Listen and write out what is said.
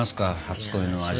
初恋の味。